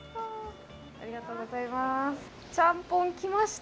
ありがとうございます。